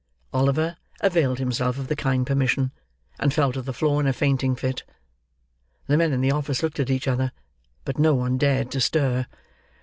Oliver availed himself of the kind permission, and fell to the floor in a fainting fit. The men in the office looked at each other, but no one dared to stir.